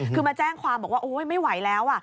คือมาแจ้งความไม่ไหวแล้ว